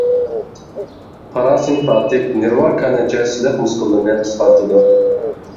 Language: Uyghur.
پاراسىمپاتىك نېرۋا كانايچە سىلىق مۇسكۇللىرىنى قىسقارتىدۇ.